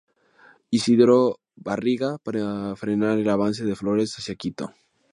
Isidoro Barriga, para frenar el avance de Flores hacia Quito.